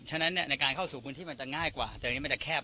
ฉะนั้นในการเข้าสู่พื้นที่มันจะง่ายกว่าแต่วันนี้มันจะแคบ